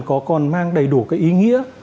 có còn mang đầy đủ cái ý nghĩa